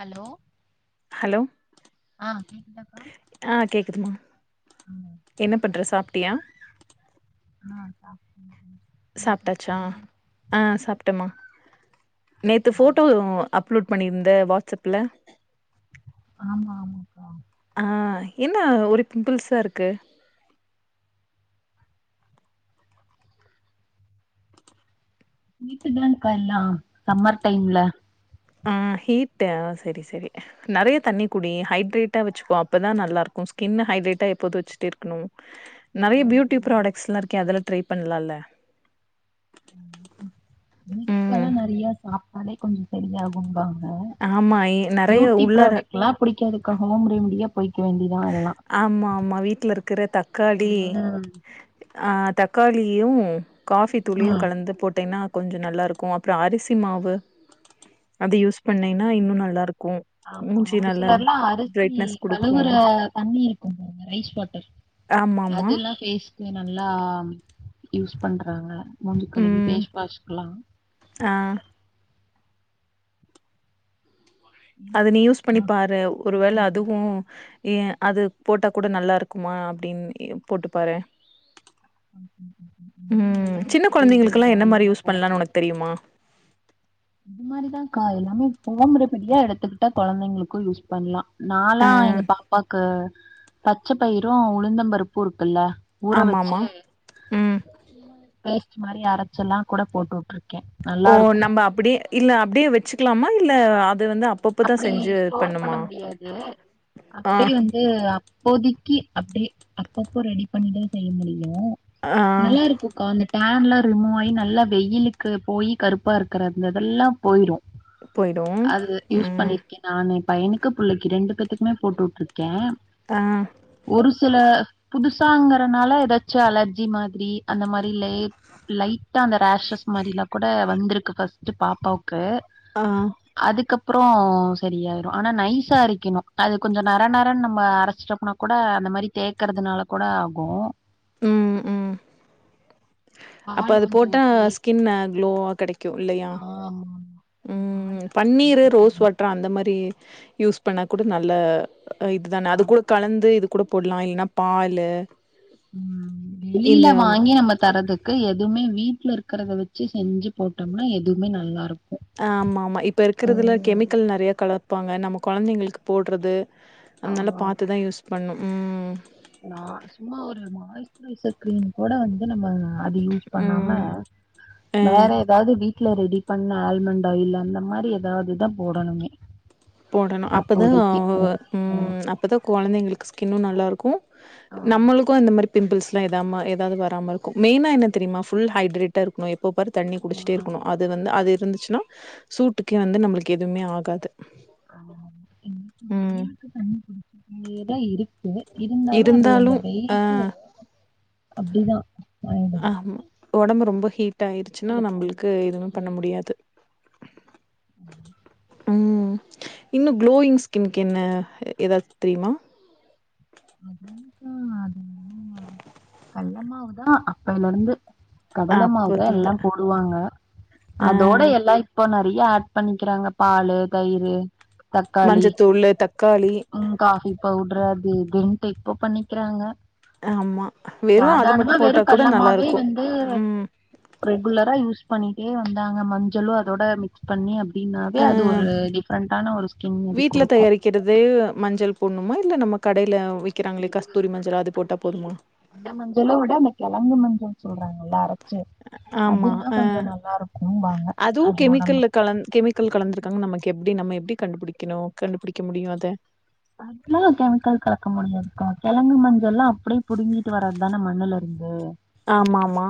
Hello hello அ கேக்குதா அ கேக்குதுமா என்ன பண்ற சாப்ட்டியா அ சாப் ம் ம் சாப்டாச்சா நேத்து போட்டோ அப்லோடு பண்ணிருந்த வாட்ஸ்அப்ல ஆமா ஆமாக்கா ஆ என்ன ஒரு பிம்பிள்ஸா இருக்கு ஹீட்டுதாங்க்கா எல்லா சம்மர் டைம்ல ஆ ஹீட்ட சரி சரி நறைய தண்ணி குடி ஹைட்ரேட்டா வச்சிகோ அப்ப தா நல்லருக்கு ஸ்கின்ன ஹைட்ரேட்டா எப்போது வச்சிட்டே இருக்கணு நறைய பியூட்டி ப்ராடக்ட்ஸ்ல்லா இருக்கே அதெல்லா ட்ரை பண்லால ம்கும் வெண்டக்காலா ம் நறையா சாப்ட்டாலே கொஞ்சோ சரியாகுங்கா அ ஆமா எ நெறைய பியூட்டி உள்ளார பராடெக்ட்லா புடிக்காதுக்கா ஹோம் ரெமிடியே போய்க்க வேண்டிதா ஆமா ஆமா வீட்ல இருக்குற தக்காளி ம் அ தக்காளியு காஃபி தூளுயு ம் கலந்து போட்டேன்னா கொஞ்சோ நல்லா இருக்கு அப்றோ அரிசி மாவு அத யூஸ் பண்ணேனா இன்னு நல்லா இருக்கு ஆமா மூஞ்சி ஒரு சிலர்லா அரிசி குடுக்கு கழுவுற தண்ணி கழுவுராங்க ரைஸ் வாட்டர் ஆமாமா அதெல்லா ஃபேஸ் நல்லா யூஸ் பண்றாங்க மூஞ்சுக்கழுவி ஃபேஸ் வாஷ்க்குலா அ அது நீ எங்க யூஸ் பண்ணி இருக்கலாம் பாரு ஒரு வேள அதுவு ஏ அது போட்டா கூட நல்லா இருக்குமா அப்டின் போட்டு பாரு ஒகேக்கா ஓகேக்கா ம் இனிமேல்லா வந்து வாங்கிலா போட முடியாது எம்மா இது மாரிதாக்கா எல்லாமே ஹோம் ரெமிடியா எடுத்துக்கிட்டா கொழந்தைங்களுக்கு யூஸ் பண்லா ஆ நாலா எங்க பாப்பாக்கு பச்ச பயிரு உளுந்தம்பருப்பு இருக்குல்ல ஊற வச்சு ஆமாமா ம் பேஸ்ட்டு மாரி அரச்சு எல்லா கூட போட்டு வுட்டுருக்கே ஓ நம்ப அப்புடே இல்ல அப்டே வச்சுக்கலாமா இல்ல அது வந்து அப்பப்பதா அப்டி செஞ்சு ஸ்டோர் பண்ண பண்ணுமா முடியாது அ ஆ [unintelligible] வந்து அது அப்போதிக்கு அப்டே அப்பப்போ ரெடி பண்ணிதா செய்ய முடியு ஆ நல்லா இருக்குக்கா அந்த டான்லா ரிமூவ் ஆயி நல்லா வெயிலுக்கு போய் கருப்பா இருக்குற அந்த இதெல்லா போயிரு போயிடு யூஸ் ம் பண்ணியிருக்கே நானு எ பையனுக்கு புள்ளைக்கு இரண்டு பேத்துக்குமே போட்டுவுட்டிருக்கே அ ஒரு சில புதுசாங்கறனால எதாச்சு அலர்ஜி மாதிரி அந்த மாரிலே லைட்டா அந்த ரேஷஸ் மாரிலா கூட வந்திருக்கு ஃபஸ் ட்டு பாப்பாவுக்கு அ அதுக்கப் புறோ சரியாயிரு ஆனா நைஸா அரைக்கணு அது கொஞ்சோ நர நரன்னு நம்ம அரைச்சுட்டோம்னா கூட அந்த மாரி தேக்கறதுனால கூட ஆகூ ம் ம் அப்போ பால் அது கொஞ்சம் போட்டா ஸ்கின்ன க்ளோவா கெடைக் ஆமா ம் பன்னீரு ரோஸ் வாட்ரு அந்த மாரி யூஸ் பண்ணா கூட நல்ல இதுதான அது ஆமா. கூட கலந்து இது கூட போட்லா இல்லன்னா பாலு ம் இந்த வெளியில வாங்கி நம்ம தரதுக்கு எதுவுமே வீட்ல இருக்குறத வெச்சு செஞ்சு போட்டோம்னா எதுமே நல்லாருக் ஆ ஆமா ஆமா இப்ப இருக்கறதுல கெமிக்கல் நறைய கலப்பாங்க நம்ம கொழந்தைங்களுக்கு போட்றது அத்னால பாத்துதா யூஸ் பண்ணும் ம் நா சும்மா ஒரு மாய்ஸ்ட்ரைஸர் க்ரீம் கூட வந்து நம்ம அது யூஸ் பண்ணாம ம் ஆ வேற எதாவ்து வீட் வீட்ல ரெடி பண்ண ஆல்மண்ட் ஆயில் அந்த மாரி எதாவ்து தா போடணுமே போடணு அப்பதா அப்போதைக்கு. ம் ம். அப் அப்பதா கொழந்தைங்களுக்கு ஸ்கின்னு நல்லா இருக்கூ ஆமா. நம்மளுக்கு அந்த மாரி பிம்பள்ஸ்லா எதாம எதாவ்து வராம இருக்கூ மெயினா என்ன தெரியுமா ஃபுல் ஹைய்ட்ரேட் டா இருக்குணு எப்போ பாரு தண்ணி குடிச்சிட்டே ம். இருக்குணு அது வந்து அது இருந்துச்சுன்னா சூட்டுக்கே வந்து நம்மளுக்கு எதுமே ஆகாது ம் ம் தண்ணி குடிச்சுட்டே தா இருக்கு இருந்தாலு அது அந்த வெயில்க்கு அப்டிதா ஆமா ஒடம்பு ரொம்ப ஹீட் ஆயிருச்சுன்னா நம்பளுக்கு எதுமே பண்ண முடியாது ம் ம் இன்னும் க்ளோயிங் ஸ்கின்கு என்ன ஏதாச்சு தெரியுமா [unintelligible] அது கல்லமாவு தா அப்பய்ல இருந்து கடலமாவு தா அப்போதுந்த எல்லாம் போடுவாங்க ஆ அதோட எல்லா இப் ப்ப நறைய ஆட் பண்ணிக்கிறாங்க பாலு தயிரு மஞ்சத்தூளு தக்காளி ம் காஃபி பவுட்ரு அது இதுண்டு இப்போ பண்ணிக்கிறாங்க ஆமா வெறு அது மட்டு சாதாரனமா வெறு போட்டா கூட கல்லமாவே நல்லாருக்கு வந்து ம் ரெகுலரா யூஸ் பண்ணிட்டே வந்தாங்க மஞ்சளு அதோட மிக்ஸ் பண்ணி அப்டின்னாவே அ அது ஒரு டிஃப்ரண்டான ஒரு ஸ்கின் உங்ளுக்கு கொடுக்கூ கெடுதே மஞ்சள் போட்ணுமா இல்ல நம்ம கடைல விக்கிறாங்களே கஸ்தூரி மஞ்சள் அது போட்டா போதுமா அந்த மஞ்சள விட அந்த கெழங்கு மஞ்சள்னு சொல்றாங்கல்ல அர ச்சி ஆமா அதுன்னா அ கொஞ்ச நல்லாருக்கும் பாங்க அது ஒடம்புக் களந் கெமிக் கல் கலந்திருக்காங்க நமக்கு எப்டி நம்ம எப்டி கண்டுபுடிக்கணு கண்டுபுடிக்க முடியு அத அதுலயு கெமிக்கல் கலக்க முடியாதுக்கா கெழங்கு மஞ்சள்ல்லா அப்புடியே புடிங்கிட்டு வர்றதுதான மண்ணுலருந்து ஆமா ஆமா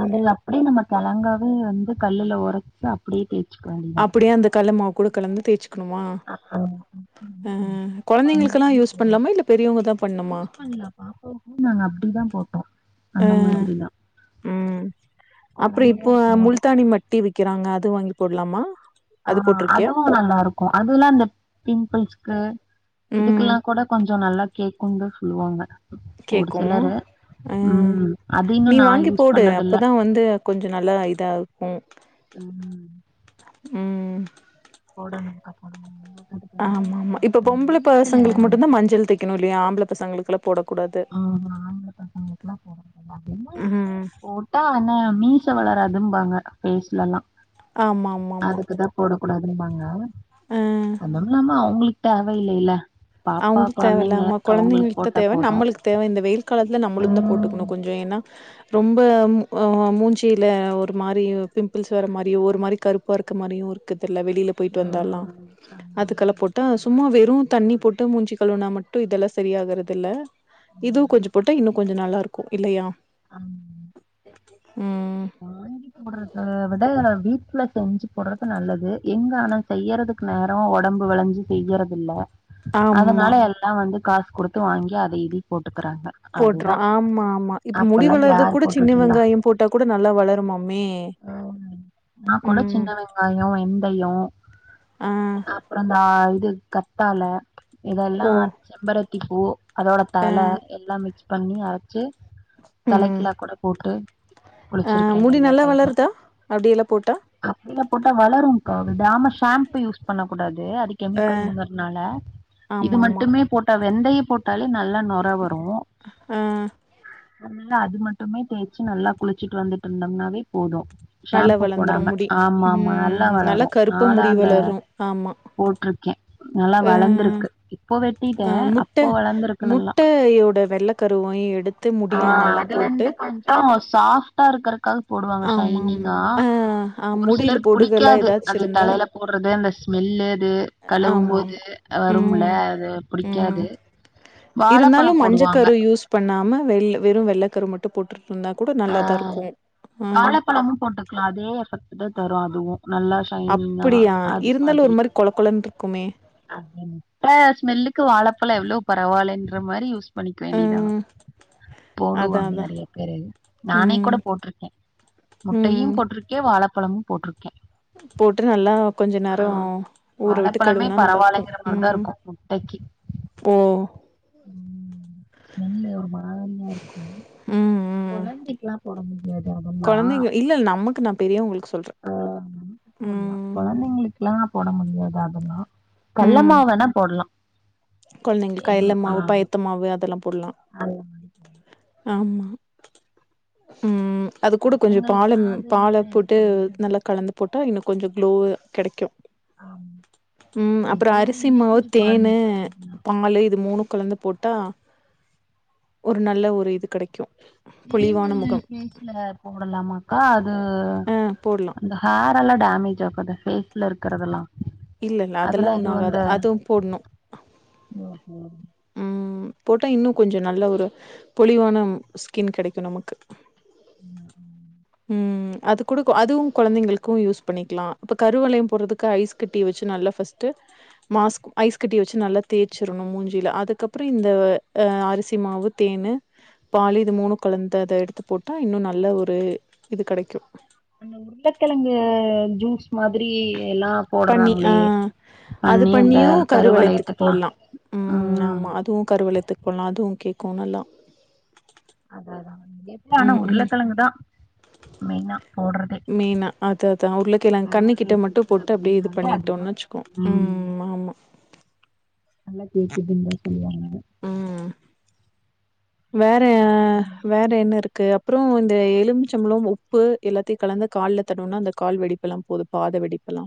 அதுல அப்டியே நம்ம கழங்காவே வந்து கல்லுல ஒரச்சு அப்டியே தேச்சுக்கவேண்டியதா அப்டியே அந்த கல்ல மாவு கூட கலந்து தேச்சு கனுமா ஆஹ் அ கொழந்தைங்களுக்கல்லா குழந்தைக்குமே யூஸ் பண்லாமா இல்ல பெரியவங்க தா பண்ணுமா பாப்பாவுக்கு நாங்க அப்டிதா போட்டோ அ ம் அப்புறொ குழந்தையா இப்போ இருக்கும் போது மூல்தானி மட் டி விக்கிறாங்க அது வாங்கி போட்லாமா ஆ அது போட்ருக்கியா அதுவு நல்லா இருக்கூ அதுல்லா இந்த பிம்பிள்ஸ்கு ம் இதுக்கெல்லா கூட கொஞ்சொ நல்லா கேக்குனு தா சொல்லுவாங்க ஒரு கேக்கூ சிலரு அ உம் அது நீ இன்னும் நான் வாங்கி யூஸ் போடு பண்ணதில்ல அப்பதா வந்து கொஞ்ச நல்லா இதா இருக்கு உம் ம் ம் போடணுங்க்கா பணமு ஆமா ஆமா இப்ப பொம்புள பசங்களுக்கு மட்டுந்தா மஞ்சள் தேக்கணு இல்லையா ஆம்பள பசங்களுக்குல்லா போடக் கூடாது ஆ, ஆம்பளை பசங்களுக்குலாம் ம் போட்டா ஆனா மீச வளராது இதும் பாங்க பேஸ்லல்லா ஆமா ஆமா ஆமா அதுக்குதா போடக்கூடாது பாங்க அ அதுவும் இல்லாம அவுங்களுக்கு தேவையில்லைல்ல அவுங்களுக்கு தேவ இல்லாம கொழந்தைங்கள்ட்ட போட்டா தேவ போதும் நம்மளுக்கு தேவ இந்த வெயில் காலத்துல நம்மளுக்கு தா உம் போட்டுக்கணு கொஞ்ச ஏன்னா ரொம்ப அ மூஞ்சியில ஒரு மாரி பிம்பிள்ஸ் வர மாரியோ ஒரு மாரி கருப் பாருக்க மாரியு இருக்குதுல்ல வெளியில பொயிட்டு வந்தால்லா உம் ஆமா, ஆமா. அதுக்கெல்லா போட்டா சும்மா வெறு தண்ணி போட்டு ட்டு மூஞ்சிக் கழுவினா மட்டு இதெல்லா சரி ஆகுறதில்ல இதுவு உம், கொஞ்ச போட்டா இன்னும் கொஞ்ச நல்லா இருக்கு இல்லையா அம் ம் போட்றத விட வீட்ல செஞ்சு போட்றது நல்லது எங்க ஆனா செய்யறதுக் க்கு நேரோ ஒடம்பு வளஞ்சு செய்யுறதில்ல ஆமா அதுனால எல்லா வந்து காசு குடுத்து வாங்கி அத இதியு போட்டுக்குறாங்க போட்றோ ஆமா ஆமா இப்ப முடி வளர்து யார் கூட போட்டுட்டு சின்ன இருந்தா வெங்காயம் போட்டா கூட நல்லா வளரும்மாமே நா கூட சின்ன வெங்காயோ வெந்தயோ ஆ அப்பறோ இந்தா இது கத்தால இதெல்லா ஓ செம்பருத்தி பூ அதோட அ தல எல்லா மிக்ஸ் பண்ணி அரச்சு ம் தலைக்கிலா கூட போட்டு ஆ குளிச்சிருக்கே முடி நல்லா வளருதா அப்டியெல்லா போட்டா அப்டில்ல போட்டா வளருங்க்கா விடாம ஷாம்பு யூஸ் பண்ண கூடாது அது கெமிக்கல் இருந்தொர்னால இது ஆமாமா மட்டுமே போட்ட வெந்தைய போட்டு டாலே நல்லா நொற வரு ஆ அதுனால அது மட்டுமே தேய்ச்சு நல்லா குளிச்சிட்டு வந்துட்டு இருந்தோம்னாவே போது நல்லா ஷாம்பு வளந்துரு போடாம முடி ஆமா ஆமா நல்லா ம் வளரும் கருப்பா நாலா முடி அந்த வளரு ஆமா போட்டிருக்கே நல்லா ஆ வளந்துருக்கு இப்போ வெட்டிட்டே ஆ முட்ட அப்போ வளந்துருக் முட்டையோட வெள்ளக் கருவையு எடுத்து முடியில நல்லா போட்டு ஆமா ஷாப்டா இருக்கற்காக போடுவாங்க ஆமாமா ஷைனிங்கா ஆ ஆ ஒரு முடில சிலருக்கு பொடுகெல்லா புடிக்காது ஏதாச்சு அதுல இருந்தா தலையில போட்றது அந்த ஸ்மெல்லு அது கழவும்போது ஆமாமா வரும்ல ம் அதுல ம் புடிக்காது வாழப்பழோ போடுவாங்க இப்ப நாம வெல் வெறும் வெள்ளக்கரு மட்டு போட்டுட்டு இருந்தா கூட நல்லாதா இருக்கு ஆ வாழைப்பழமு போட்டுக்கலா அதே எஃபெக்ட் தா தரு அதுவு நல்லா ஷைனிங்கா அப்புடியா அது இருந்தாலும் ஒரு மாரி கொழ கொழன்னு இருக்குமே முட்ட ஸ்மெல்லுக்கு வாழப்பழோ எவ்ளோ பரவாயில்லைன்ற மாரி யூஸ் பண்ணிக்க ஆ வேண்டியதா அதா போடுவாங்க அதா நெறையா பேரு நானே ம் கூட போட்ருக்கே முட்டையு ம் போட்ருக்கே வாழப்பழமு போட்ருக்கே போட்டு நல்லா கொஞ்ச நேரோ ஊற விட்டு வாழைப்பழமே கழுவுனா நல்லாருக்கு பரவாயில்லைங்கிற மாரிதா ம் இருக்கு முட்டைக்கி ஓ ம் ஸ்மெல்லு ஒரு மார் ம் ம் கொழந்தைக்கெல்லா போட முடியாது அதல்லா கொழந்தைங்க இல்ல நமக்கு நா பெரியவங்களுக்கு சொல்றே ஆ போட்லா ம் கொழந்தைகளுக்கு க்குல்லா போட முடியாது அதல்லா ம் கல்லமாவு வேணா போட்லா த்தமாவே அதெல்லா போட்லா அந் ஆமா ம் அது கூட கொஞ்ச பாலு பசங்களுக்கெல்லாம் அதெல்லாம் பால எது போட்டு பண்ண முடியாது. நல்லா கலந்து போட்டா இன்னு கொஞ்சோ க்ளோ கெடைக்கு ஆம் ம் அப்புறோ அரிசி மாவு பால் தேனு மிக்ஸ் பண்ணிக்கலாம். பொங்கலு இது மூணு குலந்து போட் டா ஒரு நல்ல ஒரு இது கடைக்கு புள்ளைங்க ஃபேஸ்ல போடலாமாக்கா அது ஆ போட்லா அந்த ஹேர் எல்லா டேமேஜ் ஆகுதா ஃபேஸ்ல இருக்கரதெல்லா இல்ல இல்ல அதெல்லா ஒண்ணு ஆகாது அதுவு போட்ணு ஒஹோ ம் போட்டா இன்னு கொஞ்சொ நல்ல ஒரு பொலிவான ஸ்கின் கெடைக்கு நமக்கு இன்னா ஆ ம் அது கூட அதுவு கொழந்தைங்களுக்கு யூஸ் பண்ணிக்லா இப்ப கருவலையம் போடுறதுக்கு ஐஸ் கட்டி வெச்சு நல்லா ஃபஸ்டு மாஸ்க் ஐஸ் கட்டி வச்சு நல்லா தேச்சிடணு மூஞ் சில அதுக்கப்புறோ இந்த அ அரிசி மாவு தேனு பாலு இது மூணு கலந்து அத எடுத்து போட்டா இன்னு நல்ல ஒரு இது கடைக்கு அந்த உருளைக்கெழங்கு ஜூஸ் மாதிரி எல்லா பண்ணி ஆ அது அந்த பண்ணியு கருவளயத்துக்கு கருவளையத்துக்கலாம். போட்லா ம் ஆமா அதுவு கருவளையத்துக்கு போட்லா அதுவு கேக்கு நல்லா அதா அதா வெப்பெ ஆனா ம் ம் உருளைக்கெழங்கு தா மெயினா போடுறதே. மெயினா அது அதா உருளைகெளங்கு கண்ணு கிட்ட மட்டு கருவளையத்துக்கு போட்டு அப்டியே இது அப்படின்னாலே பண்ணிட்டோனு அதுதான். வச்சுக்கோ ம் ஆமா நல்லா கேக்குதுன் தா சொல்லுவாங்க ஆமா வேற ம் அப்ப, வேற என்ன இருக் க்கு அப்புறோ இந்த எலுமிச்சபள உப்பு எல்லாத்தையு கலந்து கால்ல தடவுனா அந்த கால் வெடிப்பெல்லா போது பாத வெடிப்பெலா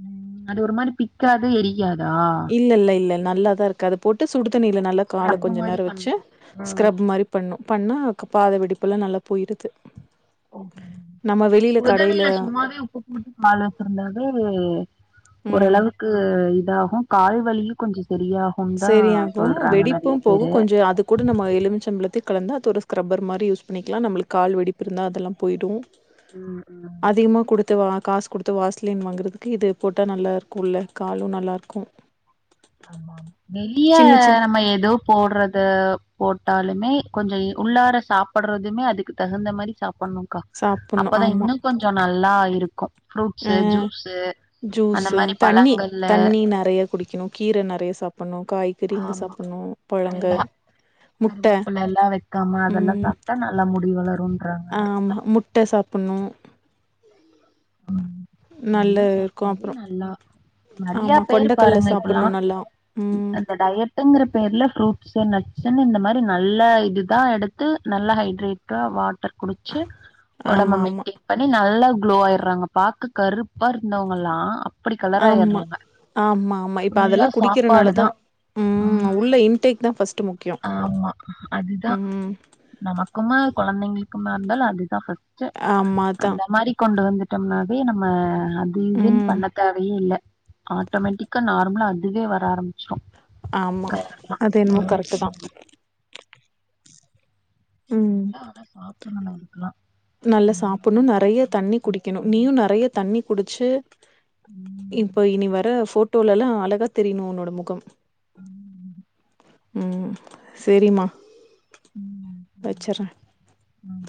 ம் அது ஒரு மாரி பிக்காது எரியாதா இல்ல இல்ல இல்ல நல்லாதா இருக்கு அத போட்டு சுடுதண்ணியில நல்லா கால ஸ்க்ரப் கொஞ்ச மாரி நேர வெச்சு பண்ணு ம் ஸ்கிரப் மாரி பண்ணு பண்ணாகு பாத வெடிப்பெல்லா நல்லா போயிறுது ஓஹோ. நம்ம வெளியில கடையில கால வெச்சிருந்தாலே ம். ஓரளவுக்கு இதாகு கால் வலியு கொஞ்ச செரியா செரியாகு வெடிப்பு போகு கொஞ்ச அது கூட நம்ம எலுமிச்சம்பளத்த கலந்து அது ஒரு ஸ்க்ரப்பர் மாரி யூஸ் பண்ணிக்கிலா நம்ளுக்கு கால் வெடிப்புருந்தா அதெல்லா போயிடு ம் ம் அதிகமா குடு த்துவாங்னா காசு கொடுத்து வாஷ்லின் வாங்குறதுக்கு இது போட்டா நல்லா இருக்கு உள்ள காலு நல்லா இருக்கு வெளிய சின்ன சின்ன நம்ம ஏதோ போடுறத போட்டாலுமே கொஞ்ச இ உள்ளார சாப்புடுறதுமே அதுக்கு தகுந்த மாரி சாப்புட்ணு கா சாப்புட்ணும். அப்பதா ஆமா. இன்னு கொஞ்சொ நல்லா இருக்கு ஆ ஃப்ரூட்ஸு ஜூஸ் அந்த ஜூஸ்ஸு மாரி தண்ணி பழங்கள்ல தண்ணி நெறைய குடிக்கணு கீர நெறைய சாப்பிட்ணு காய்கறிங்க ஆமா சாப்பிட்ணு பழங்க நல்லா முட்ட கருவேப்பில எல்லா வெக்காம அதெல்லா ம். சாப்ட்டா நல்லா முடி வளருன்றாங்க ஆமா முட் ட சாப்புட்ணு ம் நல்லா இருக்கு சாப்ட்டாவே அப்புறொ நல்லா நெறைய பேரு பாருங்க சாப்புட்ணு இப்பல்லாம நல்லா ம் அந்த டயட் டுங்குற பேர்ல ஃப்ரூட்ஸ் நட்சுன்னு இந்த மாரி நல்ல இதுதா எடுத்து நல்லா ஹைட்ரேட்டா வாட் டர் குடிச்சு ஒடம்ப ஆமா ஆமா மெயின்டெயின் பண்ணி நல்லா க்ளோ ஆயிரு றாங்க பாக்க கருப்பா இருந்தவங்கல்லா அப்டி கலர் ஆம்மா ஆயிடுறாங்க ஆம்மா ஆமா இப்ப ஃபுல்லா அதெல்லா சாப்பாடுதா குடிக்கிறதுனாலதா ம் உள்ள இன்டேக்தா ஃபர்ஸ்ட்டு முக்கிய ஆமா அதுதா நமக்குமா குழந்தைங்களுக்குமா இருந்தாலு அதுதா ஃபர்ஸ்ட் டு ஆமா அதா அந்த மாரி கொண்டு வந்துட்டோம்னாவே நம்ம அது இதுன்னு ம் பண்ண தேவையே இல்ல ஆட்டோமெட்டிக்கா நார்மலா அதுவே வர ஆரம்பிச்சிரு ஆமா அது என்னமோ கரெக்ட் தா ம் என்னானா சாப்ட் றானு நமக்குளா நல்லா சாப்பிட்ணு நெறைய தண்ணி குடிக்கணு பண்ணி நீயு நெறைய தண்ணி குடிச்சு ம் இப்ப இனி வர போட்டோலல்லா அழகா தெரியணு உன்னோட முகம் அ உ ஹூ ம் ம் செரிமா வெச்சுறே அ ம்